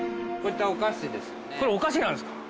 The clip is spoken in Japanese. これお菓子なんですか？